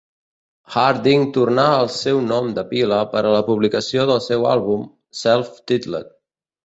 Harding tornà al seu nom de pila per a la publicació del seu àlbum, "Self-Titled".